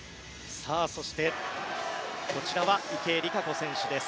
そして、こちらは池江璃花子選手です。